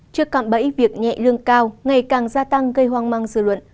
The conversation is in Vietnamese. trước cạm bẫy việc nhẹ lương cao ngày càng gia tăng gây hoang mang dư luận